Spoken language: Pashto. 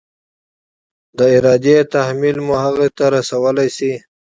د ارادې تحمیل مو هغې ته رسولی شي؟